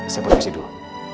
saya pergi dulu